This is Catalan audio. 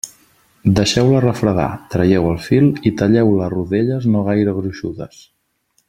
Deixeu-la refredar, traieu el fil i talleu-la a rodelles no gaire gruixudes.